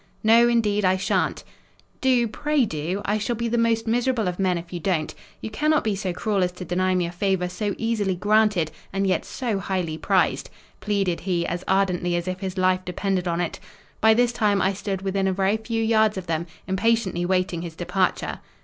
"No, indeed, I shan't." "Do! pray do! I shall be the most miserable of men if you don't. You cannot be so cruel as to deny me a favour so easily granted and yet so highly prized!" pleaded he as ardently as if his life depended on it. By this time I stood within a very few yards of them, impatiently waiting his departure.